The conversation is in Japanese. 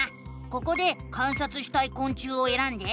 ここで観察したいこん虫をえらんで。